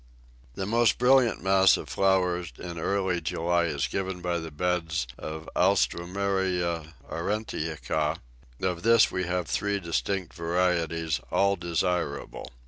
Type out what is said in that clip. The most brilliant mass of flower in early July is given by the beds of Alströmeria aurantiaca; of this we have three distinct varieties, all desirable.